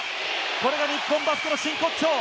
これが日本バスケの真骨頂。